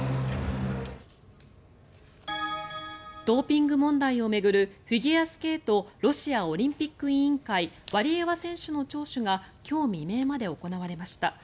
ドーピング問題を巡るフィギュアスケートロシアオリンピック委員会ワリエワ選手の聴取が今日未明まで行われました。